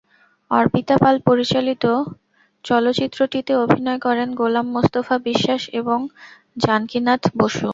অর্পিতা পাল পরিচালিত চলচ্চিত্রটিতে অভিনয় করেন গোলাম মোস্তফা বিশ্বাস এবং জানকীনাথ বসু।